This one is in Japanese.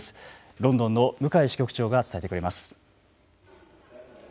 ロンドンの向井支局長が伝えてくれます。